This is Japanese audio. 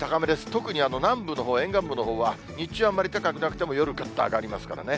特に南部のほう、沿岸部のほうは、日中はあんまり高くなくても夜ぐっと上がりますからね。